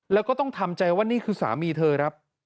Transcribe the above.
แล้วก็ต้องทำใจว่านี่คือสามีเธอครับ